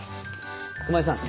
熊井さん